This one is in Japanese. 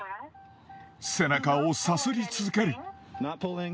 背中をさすり続ける。